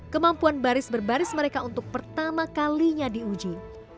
kemampuan baris baris mereka untuk pertama kalinya diuji